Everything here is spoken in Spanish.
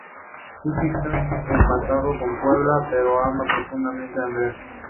Física, empatado con Paula, pero ama profundamente a a Andrea.